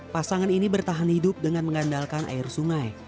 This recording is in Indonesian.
pasangan ini bertahan hidup dengan mengandalkan air sungai